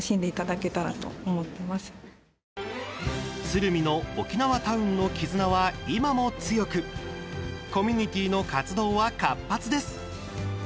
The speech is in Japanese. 鶴見の沖縄タウンの絆は今も強くコミュニティーの活動は活発です。